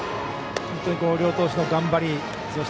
本当に両投手の頑張り。